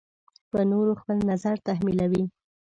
په نورو خپل نظر تحمیلوي.